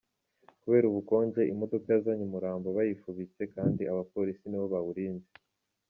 Kubera ubukonje, imodoka yazanye umurambo bayifubitse kandi abapolisi nibo bawurinze!.